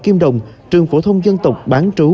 kim đồng trường phổ thông dân tộc bán trú